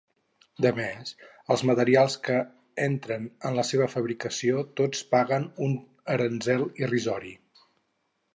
Demés, els materials que entren en la seva fabricació tots paguen un aranzel irrisori.